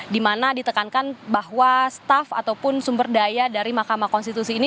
dimana ditekankan bahwa staff ataupun sumber daya dari mahkamah konstitusi ini